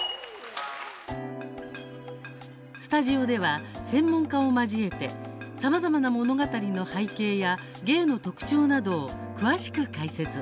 スタジオでは専門家を交えてさまざまな物語の背景や芸の特徴などを詳しく解説。